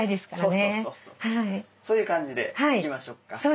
そういう感じでいきましょうか。